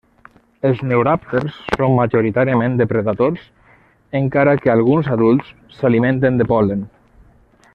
Els neuròpters són majoritàriament depredadors, encara que alguns adults s'alimenten de pol·len.